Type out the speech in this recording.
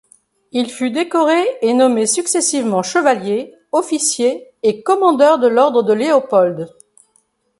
Il fut décoré et nommé successivement chevalier, officier et commandeur de l’ordre de Léopold.